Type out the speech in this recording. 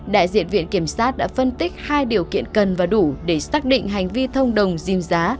đại diện viện kiểm sát đã phân tích hai điều kiện cần và đủ để xác định hành vi thông đồng dìm giá